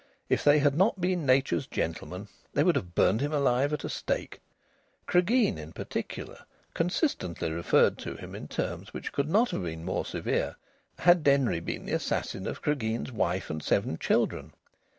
If they had not been nature's gentlemen they would have burned him alive at a stake. Cregeen, in particular, consistently referred to him in terms which could not have been more severe had Denry been the assassin of Cregeen's wife and seven children.